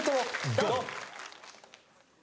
ドン！